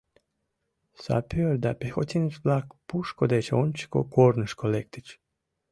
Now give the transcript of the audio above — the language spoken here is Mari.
Сапёр да пехотинец-влак пушко деч ончыко корнышко лектыч.